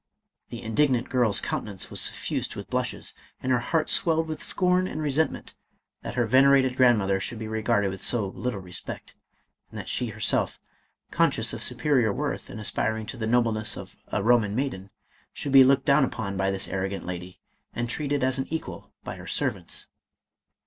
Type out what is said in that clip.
The indignant girl's countenance was suffused with blushes, and her heart swelled with scorn and resentment that her venerated grandmother should be regarded with so little respect, and that she herself, conscious of superior worth, and aspiring to the nobleness of a Eoman maiden, should be looked down upon by this arrogant lady, and treated as an equal by her servants.